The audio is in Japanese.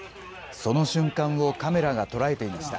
その瞬間をカメラが捉えていました。